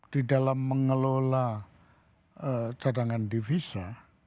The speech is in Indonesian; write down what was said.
di dalam mengelola cadangan devisa